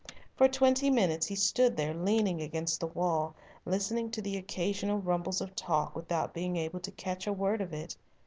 For twenty minutes he stood there leaning against the wall, listening to the occasional rumbles of talk without being able to catch a word of it.